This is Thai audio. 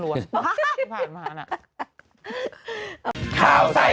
ไม่ผ่านมาแล้วนะ